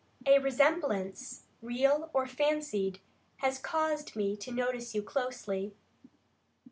A resemblance, real or fancied, has caused me to notice you closely."